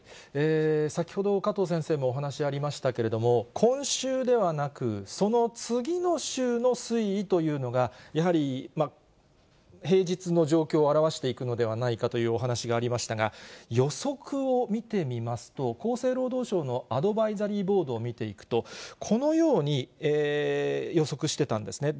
先ほど、加藤先生もお話ありましたけれども、今週ではなく、その次の週の推移というのが、やはり平日の状況を表していくのではないかというお話がありましたが、予測を見てみますと、厚生労働省のアドバイザリーボードを見ていくと、このように予測してたんですね。